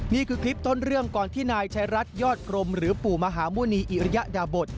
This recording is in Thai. นี่คือคลิปต้นเรื่องก่อนที่นายชายรัฐยอดกรมหรือปู่มหาหมุณีอิริยดาบท